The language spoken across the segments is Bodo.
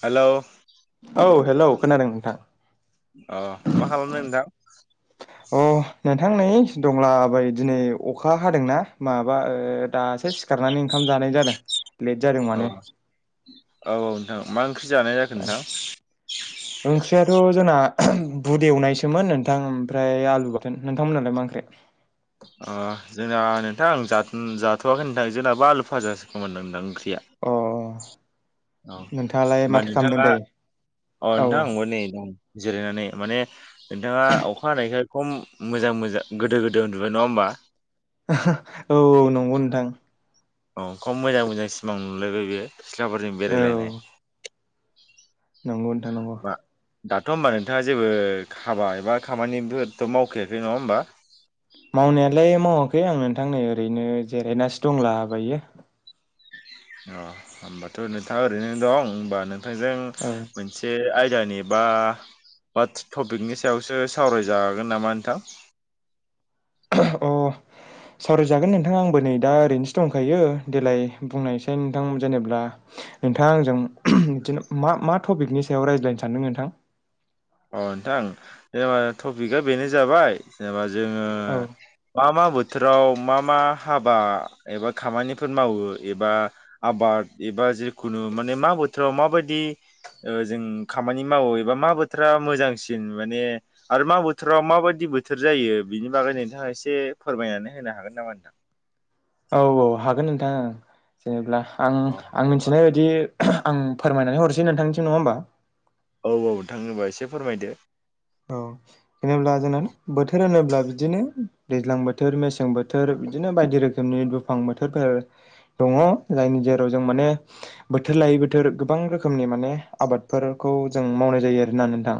हेलौ औ हेलौ खोनादों नोंथां। अ मा खालामदों नोंथां? अ नोंथां नै दंला बायो दिनै अखा हादोंना माबा ओ दा सो सिखारनानै ओंखाम जानाय जादों। लेट जादों अ माने औ औ नोंथां मा ओंख्रि जानाय जाखो नोंथां ओंख्रियाथ' जोंना बुद एवनायसोमोन नोंथां ओमफ्राय आलु बाथोन। नोंथांमोननालाय मा ओंख्रै? अ जोंना नोंथां जा-जाथ'वाखै नोंथां जोंनाबो आलु फाजासो खोमामोन नंदां ओंख्रि या। अ औ नोंथाङालाय होमबा माथो खालामदों नोंथाङा दायो अ औ नोंथा आंबो नै दं जिरायनानै माने नोंथाङा अखा हानायखाय खम मोजां मोजां गोदो गोदो उन्दुबाय नङा होमबा? [unintelligible] औ औ नंगौ नोंथां। औ खम मोजां मोजां सिमां नुलायबाय बेयो सिख्लाफोरजों औ बेरायलायनाय। नंगौ नोंथां नंगौ। बा दाथ' होमबा नोंथाङा जेबो हाबा एबा खामानिफोरथ' मावखायाखै नङा होमबा? मावनायालाय मावाखै आं नोंथां नै ओरैनो जिरायनासो दंला बायो। अ होमबाथ' नोंथाङा ओरैनो दं होमबा नोंथांजों मोनसे आय दा नि बा बा टपिकनि सायावसो सावरायजागोन नामा नोंथां? [inaudible] औ। सावरायजागोन नोंथां आंबो नै दा ओरैनोसो दंखायो देेलाय बुंनायसाय नोंथां जेनेब्ला नोंथाङा आंजों बिदिनो मा मा टपिकनि सायाव रायज्लायनो सानदों नोंथां? औ नोंथां जेनेबा टपिकआ बेनो जाबाय जेनेबा जोङो औ मा मा बो थोराव मा मा हाबा एबा खामानिफोर मावो एबा आबाद एबा जेखुनु माने मा बोथोराव माबादि ओ जों खामानि मावो एबा मा बो थोरा मोजांसिन माने आरो मा बोथोराव माबायदि बोथोर जायो बिनि बागै नोंथाङा एसे फोरमायनानै होनो हागोन नामा नोंथां? औ औ हागोन नोंथां ओं जेनेब्ला आं अ आं मा मिथिनाय बायदि आं फोरमायनानै हरसै नोंथांनिसिम नङा होमबा? औ औ नोंथां होमबा एसे फोरमायदो। औ जेनेब्ला जोंना औ बोथोर होनोब्ला बिदिनो दैज्लां बोथोर, मेसें बोथोर बिदिनो बायदि रोखोमनि दुफां बोथोरफोर दङ जायनि जेराव जों माने बोथोर लायै बोथोर गोबां रोखोमनि माने आबादफोरखौ जों मावनाय जायो आरो ना नोंथां।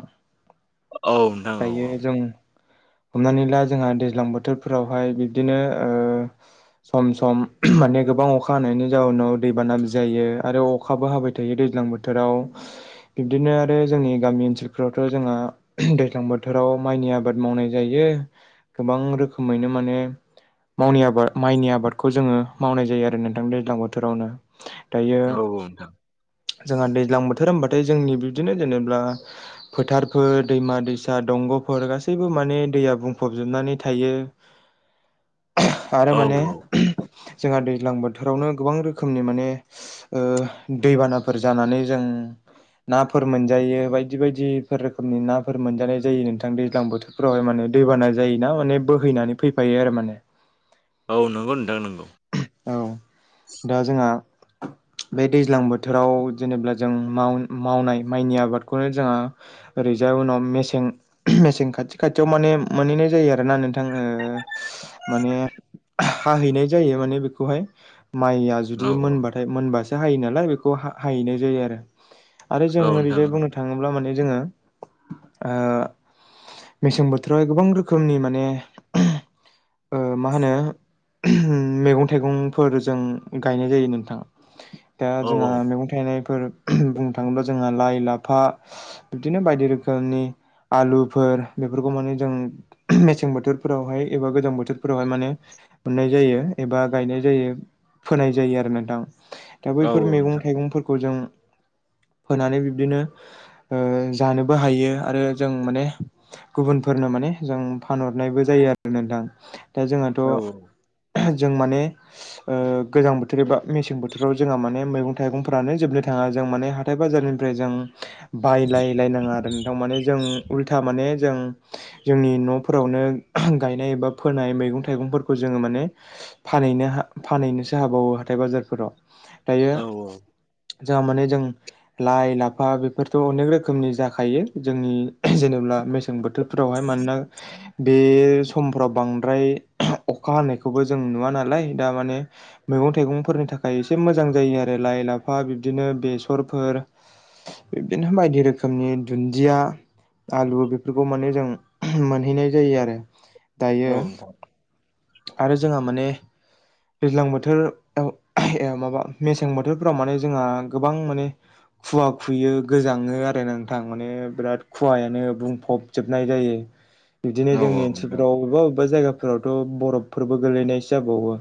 औ नोंथां औ दायो औ जों [inaudible] हमनानै ला जोंहा दैज्लां बोथोरफोरावहाय बिबदिनो ओ सम सम माने गोबां अखा हानायनि जाउनाव दैबानाबो जायो आरो अखाबो हाबाय थायो दैज्लां बोथोराव। बिब्दिनो आरो जोंनि गामि ओनसोलफोरावथ' जोंहा दैज्लां बोथोराव माइनि आबाद मावनाय जायो गोबां रोखोमैनो माने मावनि आबाद माइनि आबादखौ जोङो मावनाय जायो आरो नोंथां दैज्लां बोथोरावनो। दायो औ नोंथां जोंहा दैज्लां बोथोर होनबा नाथाय जोंनि बिबदिनो जेनेब्ला फोथारफोर दैमा, दैसा, दंग'फोर गासैबो माने दैया बुंफबजोबनानै थायो। आरो औ माने औ जोंहा दैज्लां बोथोरावनो गोबां रोखोमनि माने ओं दैबानाफोर जानानै जों नाफोर मोनजायो बायदि बायदिफोर रोखोमनि ना मोनजानाय जायो नोंथां दैज्लां बोथोरफ्रावहाय माने दैबाना जायो ना माने बोहैनानै फैफायो आरो माने। औ नोंगौ नोंथां नोंगौ। औ दा जोंहा [inaudible] बे दैज्लां बोथोराव जेनेब्ला जों माव-मावनाय माइनि आबादखौनो जोंहा ओरै जाय उनाव मेसें मेसें खाथि खाथियाव माने मोनहैनाय जायो आरोना नोंथां ओ माने हाहैनाय जायो माने बेखौहाय। माइया औ जुदि औ मोनबाथाय मोनबासो हायो नालाय बेखौ हा-हाहैनाय जायो आरो। आरो जों औ नोंथां ओरैजाय औ बुंनो थाङोब्ला माने जोङो ओ मेसें बोथोरावहाय गोबां रोखोमनि माने ओ मा होनो मैगं थाइगंफोरजों गायनाय जायो नोंथां। दा औ जोंहा मैगं थाइनायफोर बुंनो थाङोब्ला जोंहा लाइ लाफा बिदिनो बाय दि रोखोमनि आलुफोर बेफोरखौ माने जों मेसें बोथोरफोरावहाय एबा गोजां बोथोरफोरावहाय माने मोननाय जायो एबा गायनाय जायो फोनाय जायो आरो नोंथां। दा औ बैफोर मैगं नोंथां थाइगंफोरखौ जों फोनानै बिब्दिनो ओ जानोबो हायो आरो जों माने गुबुनफोरनो माने जों फानहरनायबो जायो आरो नोंथां। दा औ जोंहाथ' जों माने ओ गोजां बोथोर एबा मेसें बोथोराव जोंहा माने मैगं थाइगंफ्रानो जोबनो था ङा जों माने हाथाय बाजारनिफ्राय जों बायलाय नङा दों थारमाने जों उल्था माने जों जोंनि न'फोरावनो गायनाय एबा फो नाय मैगं थाइगंफोरखौ जोङो माने फानहैनो हा फानहैनोसो हाबावो हाथाय बाजारफोराव। दायो औ औ। जोंहा माने जों लाइ लाफा बेफोरथ' अनेक रो खोमनि जाखायो जोंनि जेन'ब्ला मेसें बोथोरफ्रावहाय मानोना बे स समफ्राव बांद्राय अखा हानायखौबो जों नुवा नालाय दा माने मैगं थाइगंफोरनि थाखाय एसे मोजां जायो आरो ला लाइ लाफा ब्बिदिनो बेसरफोर ब्बिदिनो बायदि रो खोमनि दुन्दिया आलु बेफोरखौ माने जों मोनहैनाय जायो आरो दायो नोंथां आरो जोंहा माने दैज्लां बोथोर आव ए माबा मेसें बोथोरफोराव माने जोंहा गोबां माने खुवा खुयो गोजाङो आरो नोंथां माने बिराद खुवायानो बुंफब जोबनाय जायो। [inaudible] बिदिनो औ जोंनि नोंथां औ नोंथां ओनसोलफोराव अबेबा अबेबा जायगाफोरावथ' बरफफोरबो गोलैनायसो जाबावो।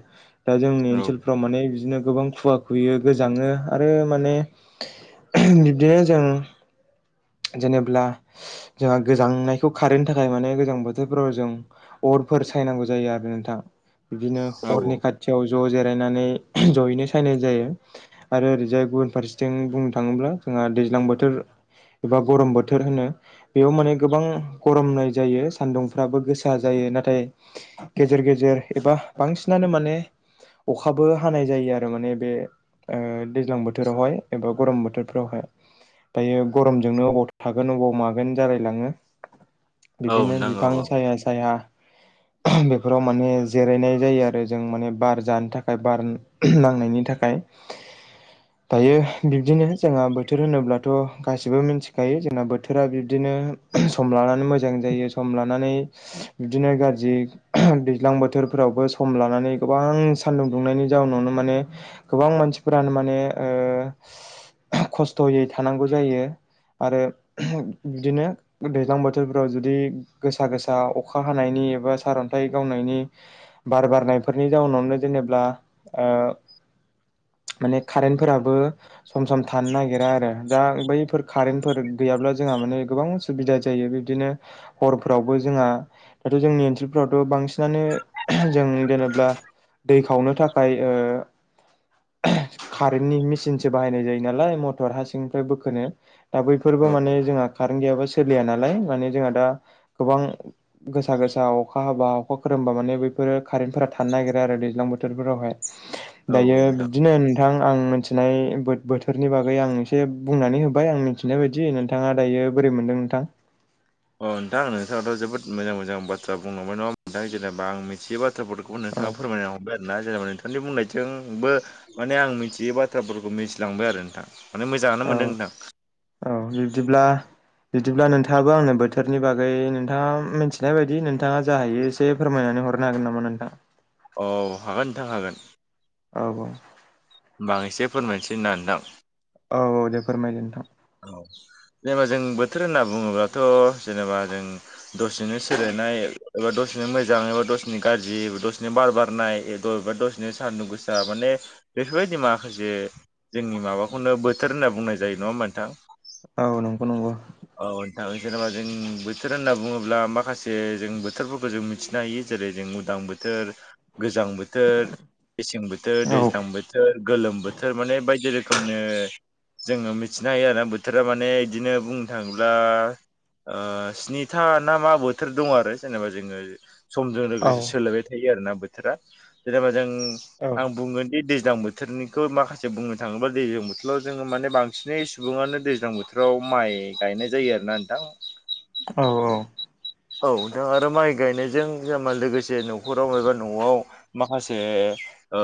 दा जोंनि औ ओनसोलफ्राव माने बिदिनो गोबां खुवा खुयो गोजाङो आरो माने बिब्दिनो जों जेनेब्ला जोंहा गोजांनायखौ खारहोनो थाखाय माने गोजां बोथोरफोराव जों अरफोर सायनांगौ जायो आरो नोंथां बिदिनो अरनि खाथियाव ज' जिरायनानै जयैनो सायनाय जायो आर ओरैजाय गुबुन फारसेथिं बुंनो थाङोब्ला जोंहा दैज्लां बोथोर एबा गरम बोथोर होनो बेयाव माने गोबां गरमनाय जायो सान्दुंफ्राबो गोसा जा यो नाथाय गेजेर गेजेर एबा बांसिनानो माने अखाबो हानाय जायो आरो माने बे ओ दैज्लां बोथोरावहाय एबा गरम बोथोरफ्रावहाय। दायो गरमजोंनो अबाव थागोन अबाव मागोन जालायलाङो। बिदिनो बिफां साया साया बेफोराव माने जिरायनाय जायो आर रो जों माने बार जानो थाखाय बार नांनायनि थाखाय। दायो बिब्दिनो जोंहा बोथोर होनोब्लाथ' गासिबो मिनथिखायो जोंना बोथोरा बिब्दिनो नो सम लानानै मोजां जायो सम लानानै बिदिनो गारजि दैज्लां बो बोथोरफ्रावबो सम लानानै गोबां सानदुं दुंनायनि जाउनावनो माने गोबां मानसिफोरानो माने ओ [inaudible] खस्थ'यै थानांगौ जायो। आरो बिदिनो दैज्लां बोथोरफोराव जुदि गोसा गोसा अखा हानायनि एबा सारअन्थाइ गावनायनि बार बारनायफोरनि जाउनावनो जेनेब्ला ओ माने कारेन्टफोराबो सम सम थानो नागिरा आरो। दा बैफोर कारेन्टफोर गैयाब्ला जोंहा माने गोबां असुबिदा जायो बिबदिनो हरफ्रावबो जों जोंहा दाथ' जोंनि ओनसोलफ्रावथ' बांसिनानो जों जेनेब्ला दै खावनो थाखाय ओ कारेन्टनि मेसिनसो बाहायनाय जायो नालाय मथर हा सिं बोखोनो दा बैफोरबो जोंहा औ औ माने खारेन गैयाब्ला सोलिया नालाय माने जोंहा दा गोबां गोसा गोसा अखा हाबा अखा खोरोमबा माने बे फोरो कारेन्टफोरा थानो नागिरो आरो दैज्लां बोथोरफोरावहाय दायो नोंथां बिब्दिनो नोंथां। आं मिथिनाय बो-बोथोरनि बागै आं एसे बुंनानै होबाय आं मिथिनाय बायदि नोंथाङा दायो बोरै मोनदों नोंथां। अ नोंथां नोंथाङाथ' जोबोद मोजां मोजां बाथ्रा बुंलांबाय नङा होमबा नोंथां जेनेबा आं मिथियोबा [unintelligible] औ नोंथाङा फोरमायनो हमबाय। दा जेनेबा नोंथांनि बुंनायजोंबो माने आं मिथियै बाथ्राफोरखौ मिथिलांबाय आरो नोंथां। माने मोजाङानो औ मोनदों नोंथां। औ बिब्दिब्ला बिदिब्ला नोंथाङाबो आंनो बोथोरनि बागै नोंथाङा मिथिनाय बायदि नोंथाङा जा हायो एसे फोरमायनानै हर हरनो हागोन नामा नोंथां। औ हागोन नोंथां हागोन। औ औ। होमबा आं एसे फोरमायसै ना नोंथां। औ औ दे फोरमाय नोंथां। औ जेनेबा जों बोथोर होनना बुङोब्लाथ' जेनेबा जों दसेनो [unintelligible] ओ दसेनो मोजां एबा दसेनो गाज्रि दसेनो बार बारनाय दसेनो सान्दुं गोसा माने बेफोरबायदि माखासे जोंनि माबाखौनो बोथोर होनना बुंनाय जायो नङा होमबा। नोंथां औ नंगौ नंगौ। दा जेनेबा जों बोथोर होनना बुङोब्ला माखासे जों बोथोरफोरखौ जों मिथिनो हायो जेरै जों उदां बोथोर। गोजां बोथोर मेसें बोथोर औ दैज्लां बोथोर गोलोम बोथोर माने बायदि रोखोम। खोमनो जोङो मिथिनो हायो आरो बोथोरा माने इदिनो बुंनो थाङोब्ला ओ स्नि था ना मा बोथोर दङ आरो जेनेबा जोङो समजों औ लोगोसे सोलायबाय थायो आरोना बोथोरा जेनेबा जों औ आं बुंगोन दि दैजां बोथोरनिखौ माखासे बुंनो थाङोब्ला दैज्लां बोथोराव जोङो माने बांसिन सिनै सुबुङानो दैज्लां बोथोराव माइ गायनाय जायो आरो ना नोंथां। औ औ। औ नोंथां आरो माइ गायनायजों जेनेबा लोगोसे न'खराव एबा न'आव माखासे ओ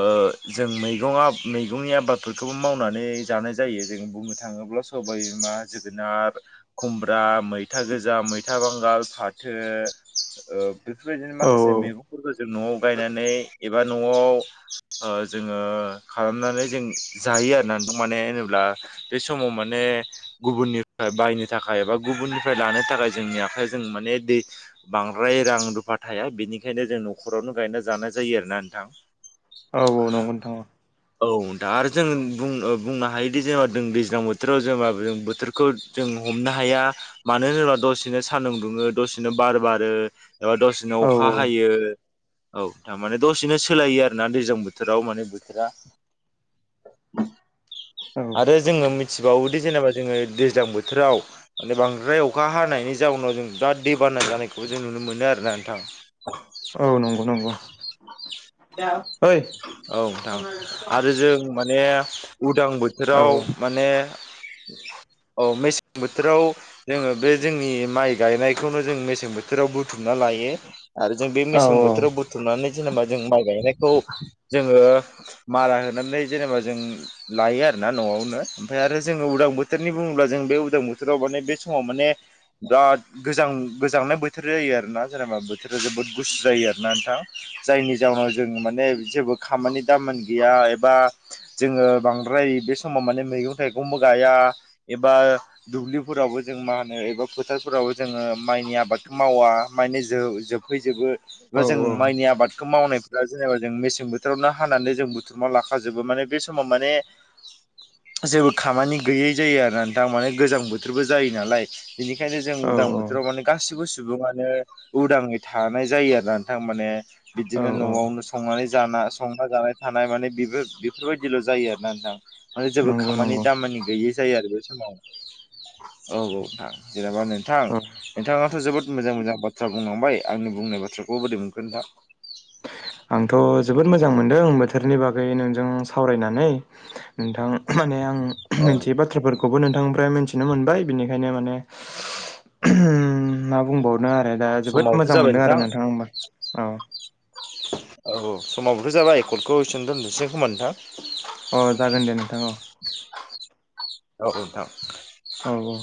जों मैगं मैगंनि आबादफोरखौबो मावनानै जानाय जायो जों बुंनो थाङोब्ला सबायबिमा जोगोनार खुमब्रा मैथा गोजा मैथा बांगाल फाथो ओ बेफोरबायदिनो औ माखासे मैगंफोरखौ जों न'आव गायनानै एबा न'आव जोङो खालामनानै जों जायो आरोना नोंथां मानो होनोब्ला [inaudible] बे समाव माने गुबुननिफ्राय बायनो थाखाय एबा गुबुननिफ्राय लानो थाखाय जोंनि आखाइ जों माने दै बांद्राय रां रुफा थाया बेनिखायनो जों न'खरावनो गायना जानाय जायो आरो ना नोंथां औ औ नंगौ नोंथां औ औ दा आरो जों बुं ओ बुंनो हायोदि जोङो [unintelligible] गोजां बोथोराव जोबा जों बोथोरखौ जों हमनो हाया मानो होनोब्ला दसेनो सान्दुं दुङो दसे दसेनो बार बारो ओ दसेनो औ अखा हायो औ थारमाने दसेनो सोलायो आरोना दैज्लां बोथोराव माने बोथोरा औ आरो जोङो मि थिबावोदि जेनेबा जोङो दैज्लां बोथोराव माने बांद्राय अखा हानायनि जाउनाव जों बिराद दै बा ना जानायखौबो जों नुनो मोनो आरोना नोंथां औ नंगौ नंगौ ओइ औ नोंथां आरो जों माने उदां औ बोथोराव माने औ मेसें बोथोराव जोङो बे जोंनि माइ गायनायखौनो जों मेसें बोथोराव बु थुमना लायो आरो जों बे औ मेसें बोथोराव बुथुमनानै जेनेबा जों माइ गायनायखौ जोङो मारा होनानै जेनेबा जों लायो आरोना न'आवनो ओमफ्राय आरो जोङो उदां बोथोरनि बुङोब्ला जों बे उदां बोथोराव माने बे समाव माने बिराद गोजां गोजांनाय बोथोर बोथोर जायो आरोना जेनेबा बोथोरा जोबोद गुसु जायो आरो ना नोंथां जायनि जाउनाव जों माने जेबो खामानि दामानि गैया एबा जोङो बांद्राय बे समाव माने मैगं थाइगंबो गाया एबा दुब्लिफोरावबो जों मानो एबा फोथारफोराव जोङो मायनि आबादखौ मावा माने जो [unintelligible] जोबो बा जों माइनि आबादखौ मावनायफोरा जेनेबा जों मेसें बोथ बोथोरावनो हानानै जों बुथुमना लाखााजोबो माने बे समाव माने जेबो खामानि गैयै जायो आर न थामाने गोजां बोथोरबो जायो नालाय बेनिखायनो जों औ उदां बोथोराव माने गासिबो सुबङानो उदाङै थानाय जायो आरो नोंथां माने औ बिदिनो औ न'आवनो संनानै जाना संना जानाय थानाय माने बेफो बेफोरबायदिल' जायो आरो ना नोंथां माने जेबो नंगौ खामानि नंगौ दामानि गैयि जायो आरो बे समाव औ औ थां जेनेबा नोंथां औ नोंथाङा आंथ' जोबोद मोजां मोजां बाथ्रा बुंलांबाय, आंनि बुंनाय बाथ्राखौ बोरै मोनखो नोंथां? आंथ' जोबोद मोजां मोन्दों बोथोरनि बागै नोंजों सावरायनानै नोंथां माने आं औ मोनसे बाथ्राफोरखौबो नोंथांनिफ्राय मोनथि मिथिनो मोनबाय बिनिखायनो माने मा बुंबाव [unintelligible] आरो दा जोबोद समाबोथ' मोजां जाबाय मोनदों आरो नोंथां नोंथाङा होमबा औ औ औ समावबोथ' जाबाय कर्डखौसन दोनदनोसै खोमा नोंथां? अ जागोन दे नोंथां औ औ नोंथां औ औ